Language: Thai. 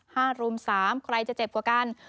ห้ารุม๓ใครจะเจ็บกว่ากัน